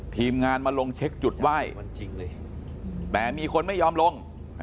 ทีมงานมาลงเช็คจุดไหว้แต่มีคนไม่ยอมลง